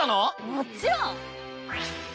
もちろん！